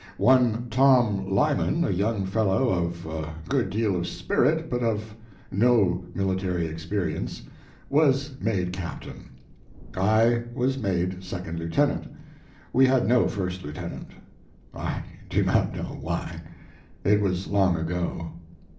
One Tom Lyman, a young fellow of a good deal of spirit but of no military experience, was made captain; I was made second lieutenant. We had no first lieutenant; I do not know why; it was long ago.